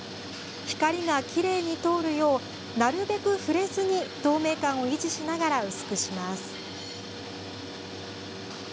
光がきれいに通るようなるべく触れずに透明感を維持しながら薄くします。